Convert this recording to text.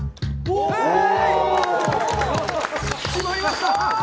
おぉ決まりました！